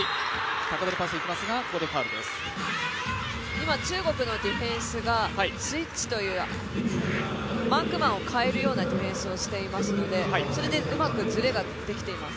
今、中国のディフェンスがスイッチという、マークマンを変えるようなディフェンスをしていますのでそれでうまくズレができています。